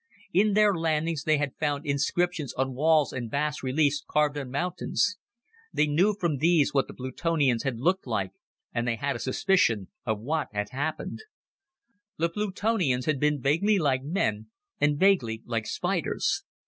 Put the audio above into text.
In their landings, they had found inscriptions on walls and bas reliefs carved on mountains. They knew from these what the Plutonians had looked like, and they had a suspicion of what had happened. The Plutonians had been vaguely like men and vaguely like spiders.